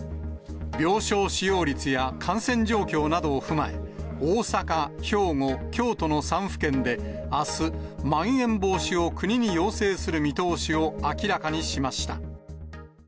病床使用率や感染状況などを踏まえ、大阪、兵庫、京都の３府県で、あす、まん延防止を国に要請する見通しを明らかにしました。